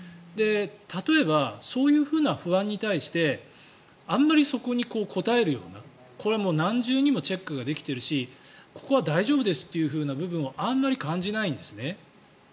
例えば、そういう不安に対してあまりそこに答えるようなこれは何重にもチェックができているしここは大丈夫ですという部分をあまり感じないんですね。